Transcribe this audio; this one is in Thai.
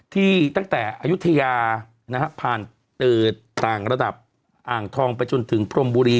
ที่ตั้งแต่อายุทยาผ่านต่างระดับอ่างทองไปจนถึงพรมบุรี